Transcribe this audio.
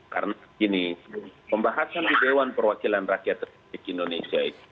karena begini pembahasan di dewan perwakilan rakyat republik indonesia itu